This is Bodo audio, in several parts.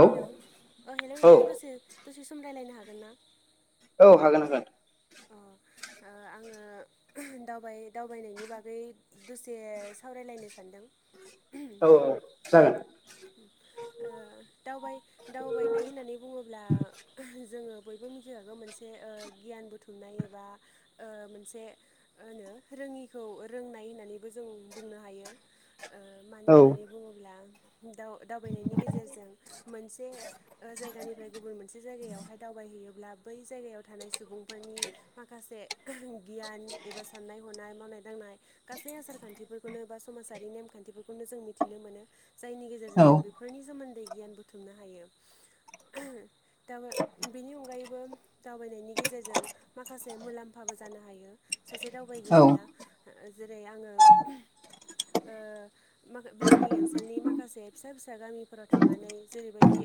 हेलौ अ हेलौ औ नोंथां दसे दसे सम रायलायनो हागोन ना औ हागोन हागोन अ ओ आङो दावबाय दावबायनायनि बागै दसे सावरायलायनो सानदों औ औ जागोन। ओ दावबाय दावबायनाय होननानै बुङोब्ला जोङो बयबो मिथिखागोन मोनसे ओ गियान बु थुमनाय एबा ओ मोनसे मा होनो रोङिखौ रोंनाय होननानैबो जों बुंनो हायो ओ मानो औ होननानै बुङोब्ला दाव दावबायनायनि गेजेरजों मोनसे ओ जायगानिफ्राय गुबुन मोनसे जायगायावहाय दावबायहैनोब्ला बै जायगायाव थानाय सुबुंफोरनि माखासे गियान एबा साननाय हनाय मावनाय दांनाय गासै आसार खान्थिफोरखौनो बा समाजारि नेमखान्थिफोरखौनो जों मिथिनो मोनो जायनि औ गेजेरजों जों बेफोरनि सोमोन्दै गियान बुथुमनो हायो। द बेनि अनगायैबो दावबायनायनि गेजेरजों जों माखासे मुलाम्फाबो जानो हायो सासे औ दावबायगिरिया जेरै आङो म बिजनि ओनसोलनि माखासे फिसा फिसा गामिफोराव थांनानै जेरैबायदि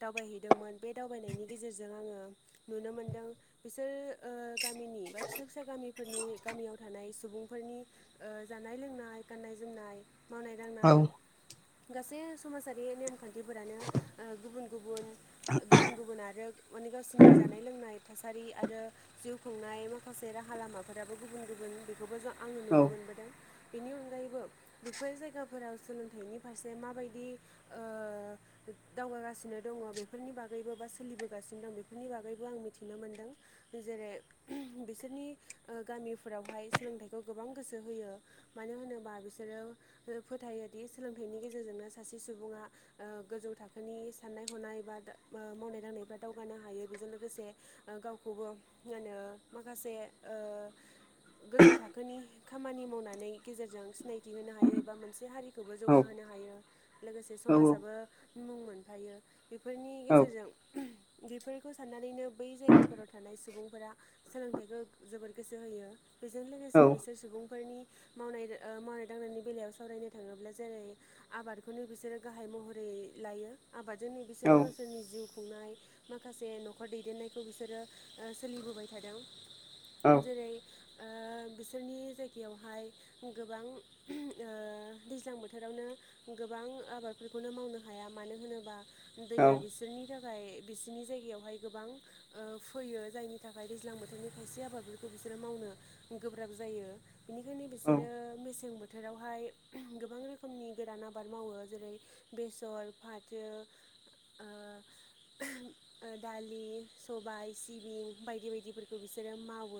दावबायहैदोंमोन बे दावबायनायनि गेजेरजों आङो नुनो मोनदों बिसोर गामिनि बा फिसा फिसा गामिफोरनि गामियाव थानाय सुबुंफोरनि ज जानाय लोंनाय गाननाय जोमनाय मावनाय औ दांनाय गासै समाजारि नेमखान्थिफोरानो ओ गुबुन गुबुन गुबुन गुबुन आरो अनेक गावसिनि जानाय लोंनाय थासा सारि आरो जिउ खुंनाय माखासे राहा लामाफोराबो गुबुन गुबुन बेखौबो जो आङो औ नुनो मोनबोदों। बेनि अनगायैबो बेफोर जायगाफोराव सोलोंथाइनि फारसे माबायदि ओ ओ दावगागासिनो दङ बेफोरनि बागैबो बा सोलिबोगासिनो दं बेफोरनि बागैबो आं मिथि नुनो मोनदों जेरै बिसोरनि ओ गामिफोरावहाय सोलोंथाइखौ गोबां गोसो होयो मानो होनोबा बिसोरो बिरात फोथायोदि सोलोंथाइनि गेजेरजोंनो सासे सुबुङा ओ गोजौ थाखोनि साननाय हनाय बा ओ मावनाय दांनायफ्रा दावगानो हायो बेजों लोगोसे ओ गावखौबो मा होनो माखासे ओ गोजौ थाखोनि खामानि मावनानै गेजेरजों सिनायथि होनो हायो एबा मोनसे हारि खौबो औ जौगाहोनो हायो लोगोसे औ औ समाजाबो मुं मोनफायो। बेफोरनि औ गेजेरजों बेफोरखौ साननानैनो बै जायगाफोराव थानाय सुबुंफोरा सोलोंथाइखौ जोबोर गोसो होयो। बिजों लोगोसे बिसोर उम सुबुंफोरनि मावनाय ओ मावनाय दांनायनि बेलायाव सावरायनो थाङोब्ला जेरै आबादखौनो बिसोरो गाहाय महरै लायो आबादजोंनो बिसोरो गावसोरनि जिउ खुंनाय माखासे न'खर दैदेननाय खौ बिसोरो ओ सोलिबोबाय थादों। जेरै बिसोरनि जायगायावहाय गोबां ओ दैज्लां बोथोरावनो गोबां गोबां आबादफोरखौनो मावनो हाया मानो होनोबा दैया बिसोरनि थाखाय बिसोरनि जायगायावहाय गोबां ओ फैयो जायनि थाखाय दैज्लां बोथोरनि खायसे आबादफोरखौ बिसोरो मावनो गोब्राब जायो। बेनिखायनो बिसोरो मेसें बोथोरावहाय गोबां रोखोमनि गोरान आबाद मावो। जेरै बेसर, फाथो, ओ ओ दालि सबाय, सिबिं बायदि बायदिफोरखौ बिसोरो मावो।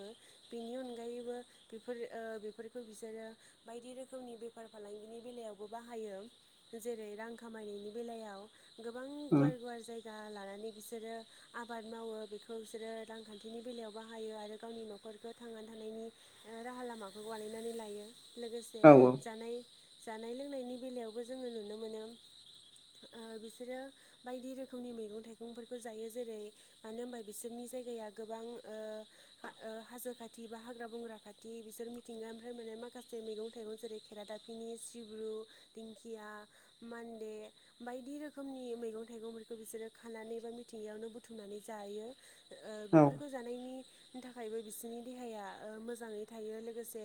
बेनि अनगायैबो बेफोरो ओ बेफोरखौ बिसोरो बायदि रोखोमनि बेफार फालांगिनि बेलायावबो बाहायो। जेरै रां खामायनायनि बेलायाव गोबां गुवार गुवार जायगा लानानै बिसोरो आबाद मावो बेखौ बिसोरो रांखान्थिनि बेलायाव बाहायो आरो गावनि न'खरखौ थांनानै थानायनि राहा लामाखौ बायनानै लायो लोगोसे औ जानाय जानाय लोंनायनि बेलायावबो जोङो नुनो मोनो। ओ बिसोरो बायदि रोखोमनि मैगं थाइगंफोरखौ जायो। जेरै मानो होनबा बिसोरनि जायगाया गोबां ओ ओ हाजो खाथि बा हाग्रा बंग्रा खाथि बिसोर मिथिंगानिफ्राय मोननाय माखासे मैगं थाइगं जेरै खेरादाफिनि, सिब्रु, दिंखिया मान्दे बायदि रोखोमनि मैगं थाइगंफोरखौ बिसोरो खानानै बा मिथिंगायावनो बुथुमनानै जायो ओ बेफोरखौ जानायनि था खायबो बिसोरनि देहाया ओ मोजाङै थायो लोगोसे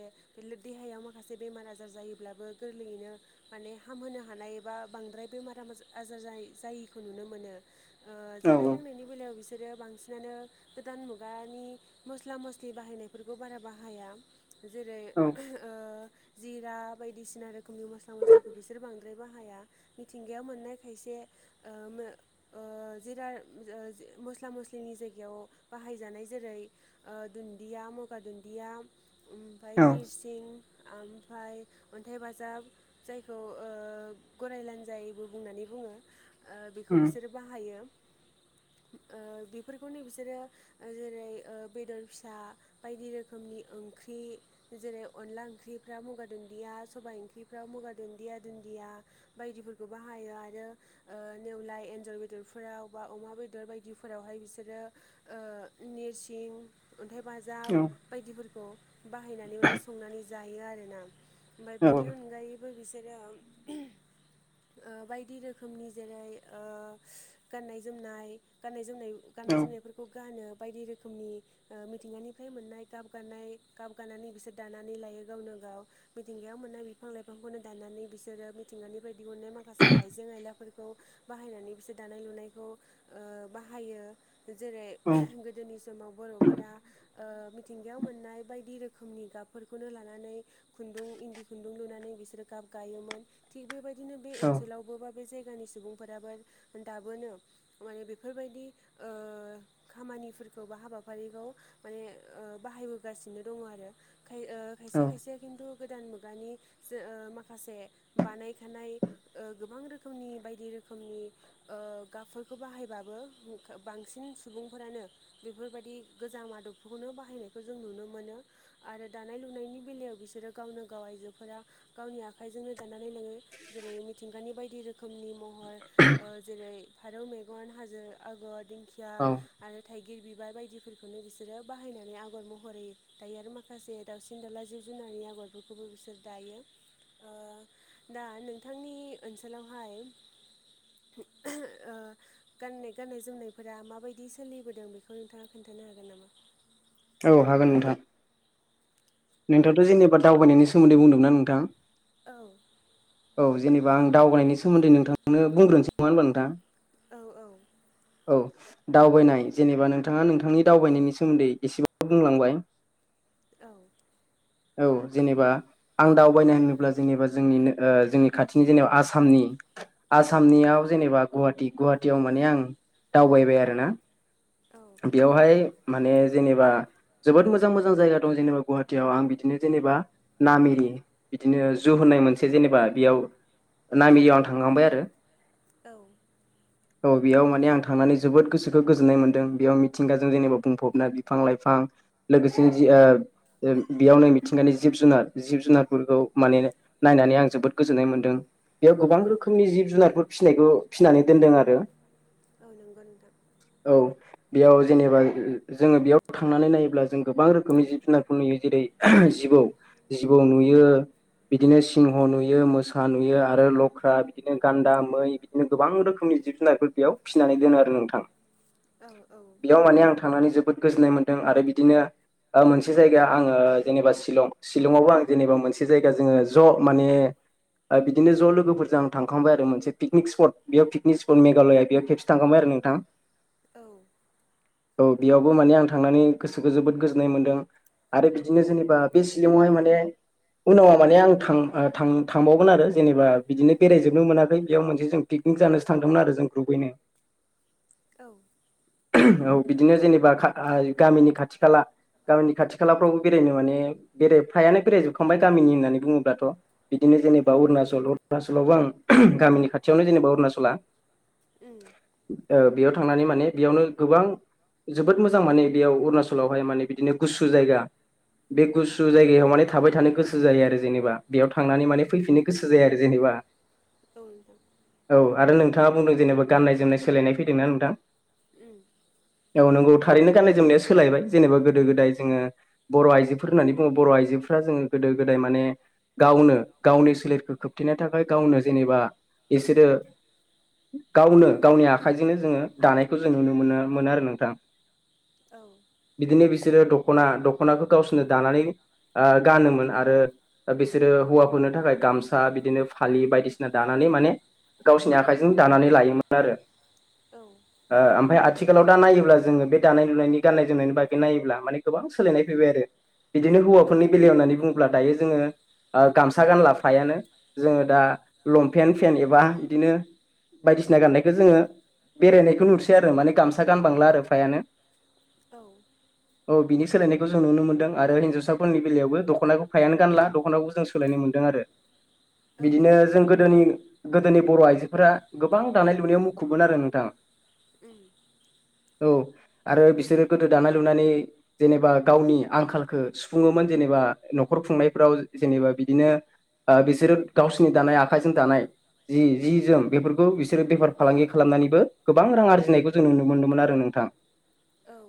देहायाव माखासे बेमार आजार जायोब्ला बो गोरलैयैनो माने हामहोनो हानाय एबा बांद्राय बेमार आजार जायै जायैखौ नुनो मोनो ओ औ उम औ जानाय लोंनायनि बेलायाव बि बांसिनानो गोदान मुगानि मस्ला मस्लि बाहायनायफोरखो बारा बाहाया। जेरै ओ जिरा बायदिसिना रोखोमनि मस्ला मस्लिखौ बिसोर बांद्राय बाहाया। मिथिंगायाव मोननाय खायसे ए ओ नो ओ जिराय जो ओ [unintelligible] मस्ला मस्लिनि जायगायाव बाहायजानाय जेरै ओ दुन्दिया मगा दुन्दिया ओमफाय निरसिं आम फाय अन्थाइ बाजाब जायखौ ओ गरायलानजायबो बुंनानै बुङो। ओ बेखौ बिसोरो बाहायो। ओ बेफोरखौनो बिसोरो ओ जेरै ओ बेदर फिसा बायदि रोखोमनि ओं ख्रि जेरै अनला ओंख्रिफ्राव मुगा दुन्दिया सबाइ ओंख्रिफ्राव मुगा दुन्दिया दुन्दिया बायदिफोरखौ बाहायो आरो ओ नेवलाय एन्जर बेदरफोराव बा अमा बेदर ओ बिदिफोरावहाय बिसोरो ओ नेरसिं अन्थाइ बाजाब बायदिफोरखौ बाहायनानैनो संनानै जायो आरोना। ओमफ्राय बेनि अनगायैबो बिसोरो उम ओ बायदि रोखोमनि जेरै ओ गाननाय जोमनाय गाननाय जोमनाय गाननाय जोमनायफोरखौ गानो बायदि रोखोमनि ओ मिथिंगानिफ्राय मोननाय गाब गानाय गाब गानानै बिसोर दानानै लायो गावनो गाव मिथिंगायाव मोननाय बिफां लाइफांखौनो दानानानै बिसोरो मिथिंगानि बायदि दिहुननाय माखासे आइजें आयलाफोरखौ बाहायनानै बिसोर दानाय लुनायखौ ओ बाहायो जेरै ओह गोदोनि समाव बर'फोरा ओ मिथिंगायाव मोन नाय बायदि रोखोमनि गाबफोरखौनो लानानै खुन्दुं इन्दि खुन्दुं लुनानै बिसोरो गाब गायोमोन थिग बेबायदिनो बे ओनसोलावबो बा बे जायगानि सुबुंफोराबो दाबोनो माने बेफोरबायदि ओ खामानिफोरखौ बा हाबाफारिखौ माने बाहाय फोथायबोगासिनो दङ आरो खाय ओ औ खायसे खायसे खिन्थु गोदान मुगानि जो ओ माखासे बानायखानाय ओ गोबां रोखोमनि बायदि खोमनि ओ गा बो बाहायबाबो बांसिन सुबुंफोरानो बेफोरबायदि गोजाम आदबफोरखौनो बाहायनाय जों नुनो मोनो आरो दानाय लुनायनि बेलायाव बिसोरो गावनो गाव आइजोफोरा गावनि आखाइजोंनो दानानै लोङो जेरै मिथिंगानि बायदि रोखोमनि महर ओ जेरै फारौ मेगन हाजो आगर दिंखिया आरो थाइगिर बिबार बायदि बिदिफोरखौनो बिसोरो बाहायनानै आगर महर होयो दायो आरो माखासे दाउसिन दाउला जिब जुनारनि आगरफोरखौ खौबो बिसोर दायो ओ दा नोंथांनि ओनसोलावहाय ओह ओ गाननाय गाननाय जोमनायफोरा माबायदि सोलिबोदों बेखौ नोंथाङा खोन्थानो हागोन नामा औ हागोन नोंथां नोंथाङाथ' जेनेबा दावबायनायनि सोमोन्दै बुंदोंना नोंथां औ औ जेनेबा आं दावबायनाय सोमोन्दै नोंथांनो बुंग्रोनोसै नङा होनोमबा नोंथां औ औ औ दावबायनाय जेनेबा नोंथाङा नोंथांनि दावबायनायनि सोमोन्दै एसे बुंलांबाय औ औ जेनेबा आं दावबायनाय होनोब्ला जेनेबा जोंनिनो ओ जोंनि खाथिनि जेनेबा आसामनि आसामनियाव जेनेबा गुवाहटि गुवाहाटियाव माने आं दावबायबाय आरो ना औ बेवहाय माने जेनेबा जोबोद मोजां मोजां जायगा दं जेनेबा गुवाहाटियाव आं बिदिनो जेनेबा नामेरि बिदिनो जु होननाय मोनसे जेनेबा बेयाव नामियाव आं थांखांबाय आरो औ औ बेयाव माने आं थांनानै जोबोद गोसोखौ गोजोननाय मोनदों बेयाव मिथिंगाजों जेनेबा बुंफबना बिफां लाइफां लोगोसे जि ओ बेयावनो मिथिंगा नि जिब जुनार जिब जुनारफोरखौ माने नायनानै आं जोबोद गोजोननाय मोन्दों बेयाव गोबां औ रोखोमनि जिब जुनारफोर फिसिनायखौ फिसिनानै दोनदों आरो औ नंगौ नोंथां औ बेयाव जेनेबा जोङो बेयाव थांनानै नायोब्ला जों गोबां रोखोमनि जिब जुनारखौ नुयो जेरै जिबौ जिबौ नुयो बिदिनो सिंह नुयो मोसा नुयो आरो लख्रा बिदिनो गान्दा मै बिदिनो गोबां रोखोमनि जिब जुनारफोर बेयाव फिसिनानै दोनो आरो नोंथां औ औ बेयाव माने आं थांनानै जोबोद गोजोननाय मोन्दों आरो बिदिनो मोनसे जायगाया आङो जेनेबा शिलं शिलंआवबो आं जेनेबा मोनसे जायगा जोङो ज' माने बिदिनो ज' लोगोफोरजों आं थांखांबाय आरो मोनसे पिकनिक स्पट बेयाव पिकनिक स्पट मेघालया बेयाव खेबसे थांखांबाय आरो नोंथां। औ औ बेयावबो माने आं थांनानै गोसोखौ जोबोद गोजोननाय मोन्दों। आरो बिदिनो जेनेबा बे सिलिंआवहाय माने उनावा माने आं थां थांबावगोन आरो जेनेबा बिदिनो बेरायजोबनो मोनाखै बेयाव मोनसे जों पिक जानोसो थांदोंमोन आरो जों ग्रुबैनो औ औ बिदिनो जेनेबा गामिनि खाथि खाला गामिनि खाथि खालाफ्रावबो बेरायनो माने बेराय फ्रायानो बेरायजोबखांबाय गामिनि होननानै बुङोब्लाथ' बिदिनो जेनेबा औ अरुनाचल ‌ गोलावबा‌ आं गामिनि खाथियावनो जेनेबा अरुणाचला उम औ नोंथां उम ओ बेयाव थांनानै माने बेयावनो गोबां जोबोद मोजां माने बेयाव अरुणाचलावहाय माने बिदिनो गुसु जायगा बे गुसु जायगायाव माने थाबाय थानो गोसो जायो आरो जेनेबा बेयाव थांनानै माने फैफिननो गोसो जायो आरो जेनेबा बा औ‌ नंगौ आरो नोंथाङा बुंदों जेनेबा गाननाय जोमनाय सोलायनाय फैदोंना नोंथां। ओम औ नंगौ थारैनो गाननाय जोमनाया सोलायबाय जेनेबा गोदो गोदाय जोङो बर' आइजोफोर होननानै बुङो बर' आइजोफोरा दा जोङो गोदो गोदाय माने गावनो गावनि सोलेरखौ खोबथेनो थाखाय गावनो जेनेबा बिसोरो गावनो गावनि आखाइजोंनो जोङो दानाय खौ जों नुनो मोनो मोना आरो नोंथां बिदिनो बिसोर बिसोरो दख'ना दख'नाखौ गावसोरनो दानानै आ गानोमोन आरो बिसोरो हौवाफोरनो थाखाय गामसा बिदिनो फालि बायदिसिना दानानै माने गावसोरनि आखाइजों दानानै लोयोमोन आरो औ आ‌ ओमफ्राय आथिखालाव दा नायोब्ला जोङो बे दानाय लुनायनि गान्नाय जोमनायनि बागै नायोब्ला माने गोबां सोलायनाय फैबाय आरो। बिदिनो हौवाफोरनि बेलायाव होननानै बुङोब्ला दायो जोङो। आ गामसा गानलाफायानो जोङो दा लंपेन्ट फेन्ट एबा बिदिनो बायदिसिना गाननायखौ जोङो बेरायनायखौ नुसै आरो माने गामसा गानबांला आरो फ्रायानो औ औ बिनि सोलायनायखौ जों नुनो मोनदों आरो हिन्जावसाफोरनि बेलायावबो दख'नाखौ फायानो गानला दख'नाखौ जों सोलायनो मोन्दों। आरो बिदिनो जों गोदोनि गोदोनि बर' आइजोफोरा गोबां दानाय लुनायाव मुखुबोन आरो नोंथां। ओम औ आरो बिसोरो गोदो दानाय लुनानै जेनेबा गावनि आंखालखौ सुफुङोमोन। जेनेबा न'खर खुंनायफ्राव जेनेबा बिदिनो ओ बिसोरो गावसोरनि दानाय आखाइजों दानाय जि जि जोम बेफोरखौ बिसोरो बेफार फालांगि खालामनानैबो गोबां रां आरजिनायखौ जों नुनो मोनदोंमोन आरो नोंथां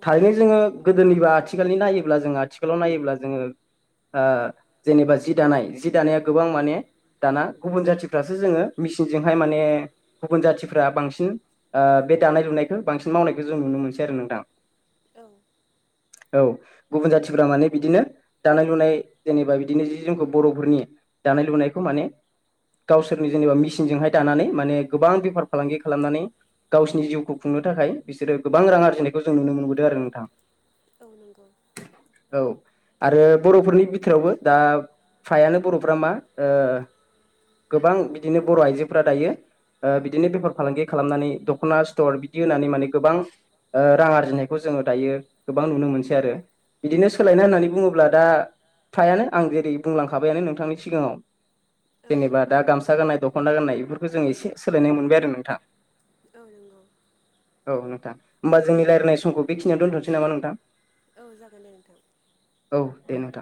थारैनो जोङो। गोदोनिबा आथिखालनि नायोब्ला जो आथिखालाव नायोब्ला जोङो। आं जेनेबा जि दानाय जि दानाया गोबां माने दाना गुबुन जाथिफ्रासो जोङो मिचिनजोंहाय माने गुबुन जाथिफ्रा बांसिन ओ बे दानाय लुनायखो बांसिन मावनायखो जों नुनो मोनसै आरो नोंथां। औ। औ गुबुन जाथिफोरा माने बिदिनो दानाय लुनाय जेनेबा बिदिनो जि जोमखौ बर'फोरनि दानाय लुनायखौ माने गावसोरनि जेनेबा मेसिनजोंहाय दानानै माने गोबां बेफार फालांगि खालामनानै गावसिनि जिउखौ खुंनो थाखाय बिसोरो गोबां रां आरजिनायखौ जों नुनो मोनबोदों आरो नोंथां। औ नंगौ। औ आरो बर'फोरनि बिथोरावबो दा फायानो बर'फोरा मा ओ गोबां बिदिनो बर' आइजोफोरा दायो ओ बिदिनो बेफार फालांगि खालामनानै दख'ना स्तर बिदि होनानै माने गोबां ओ रां आरजिनायखौ जोङो दायो गोबां नुनो मोनसै आरो। बिदिनो औ सोलायनाय होननानै बुङोब्ला दा फ्रायानो आं जेरै बुंलांखाबायानो नोंथांनि सिगाङाव। जेनेबा दा गामसा गाननाय दख'ना गाननाय बेफोरखौ जों एसे सोलायनाय मोनबाय आरो नोंथां। औ नंगौ। औ नोंथां होमबा जोंनि रायज्लायनाय समखौ बेखिनियाव दोनथ'नोसै नामा नोंथां। औ जागोन दे नोंथां। औ दे नोंथां